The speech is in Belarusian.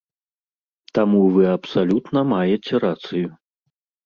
Таму вы абсалютна маеце рацыю.